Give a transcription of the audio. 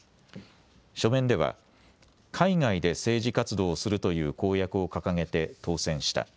書面では海外で政治活動をするという公約を掲げて当選した。